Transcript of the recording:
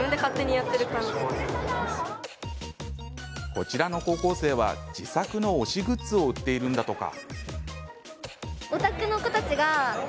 こちらの高校生は、自作の推しグッズを売っているんだとか。